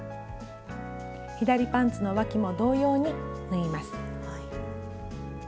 左パンツのわきも同様に縫います。